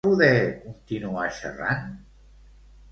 Va poder continuar xerrant?